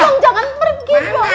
bang jangan pergi bro